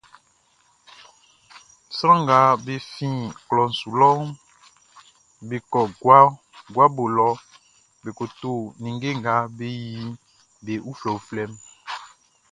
Sran nga be fin klɔʼn su lɔʼn, be kɔ guabo lɔ be ko to ninnge nga be yili be uflɛuflɛʼn.